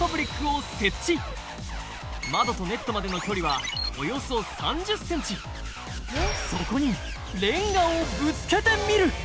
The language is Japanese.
窓とネットまでの距離はおよそ３０ｃｍそこにレンガをぶつけてみる